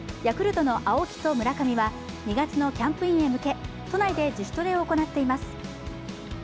ヤクルトの青木と村上は２月のキャンプインに向けて都内で自主トレを行っています。